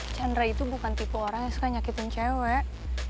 chandra itu bukan tipe orang yang suka nyakitin cewek